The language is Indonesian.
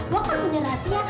lu kan punya rahasia